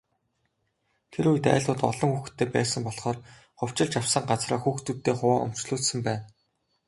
Тэр үед, айлууд олон хүүхэдтэй байсан болохоор хувьчилж авсан газраа хүүхдүүддээ хуваан өмчлүүлсэн байна.